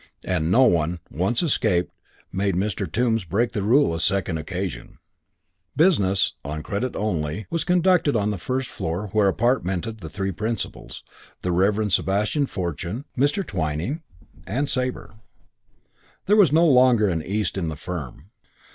And no one, once escaped, made Mr. Tombs break the rule on a second occasion. III Business on credit only was conducted on the first floor whereon were apartmented the three principals the Reverend Sebastian Fortune, Mr. Twyning and Sabre. There was no longer an East in the firm.